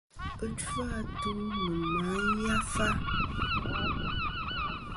Ɨchu-atu nɨ̀ màyafa.